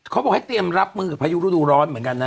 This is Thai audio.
เขาบอกให้เตรียมรับมือกับพายุฤดูร้อนเหมือนกันนะ